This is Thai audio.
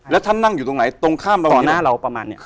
แล้วท่านนั่งอยู่ตรงไหนตรงข้ามประมาณนี้